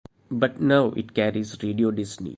But now it carries Radio Disney.